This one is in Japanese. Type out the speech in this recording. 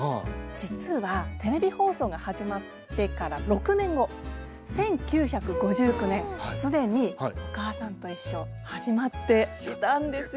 実はテレビ放送が始まってから６年後１９５９年既に「おかあさんといっしょ」始まっていたんですよ。